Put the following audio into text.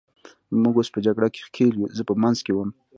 موږ اوس په جګړه کې ښکېل وو، زه په منځ کې وم.